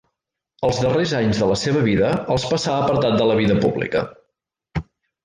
Els darrers anys de la seva vida els passà apartat de la vida pública.